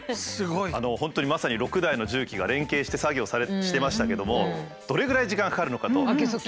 本当にまさに６台の重機が連携して作業してましたけどもどれぐらい時間かかるのかと。